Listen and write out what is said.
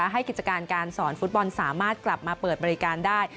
กิจการการสอนฟุตบอลสามารถกลับมาเปิดบริการได้